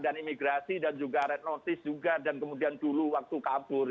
dan imigrasi dan juga retnotis juga dan kemudian dulu waktu kapur